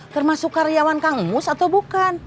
termasuk karyawan kangus atau bukan